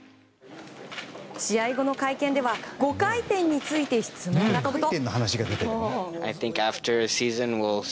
試合後の会見では５回転について質問が飛ぶと。